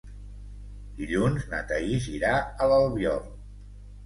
Dilluns na Thaís irà a l'Albiol.